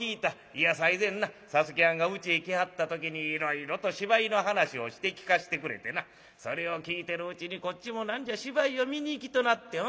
いや最前な佐助はんがうちへ来はった時にいろいろと芝居の話をして聞かせてくれてなそれを聞いてるうちにこっちも何じゃ芝居を見に行きとなって。